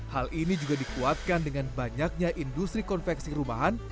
hal ini juga dikuatkan dengan banyaknya industri konveksi rumahan